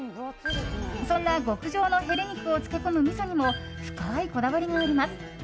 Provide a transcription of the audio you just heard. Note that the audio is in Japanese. そんな極上のヘレ肉を漬け込むみそにも深いこだわりがあります。